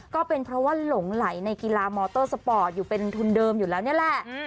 ก็เป็นเพราะว่าหลงไหลในกีฬามอเตอร์สปอร์ตอยู่เป็นทุนเดิมอยู่แล้วนี่แหละ